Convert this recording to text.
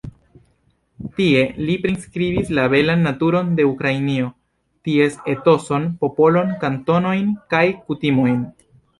Tie li priskribis la belan naturon de Ukrainio, ties etoson, popolon, kantojn kaj kutimojn.